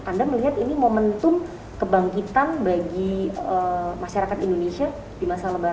anda melihat ini momentum kebangkitan bagi masyarakat indonesia di masa lebaran